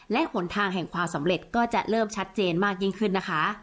และหนทางแห่งความสำเร็จก็จะเริ่มชัดเจนมากยิ่งขึ้นนะคะ